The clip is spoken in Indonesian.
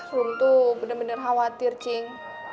rom tuh bener bener khawatir cing